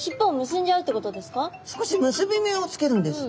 少し結び目をつけるんです。